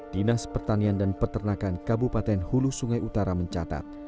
dinas pertanian dan peternakan kabupaten hulu sungai utara mencatat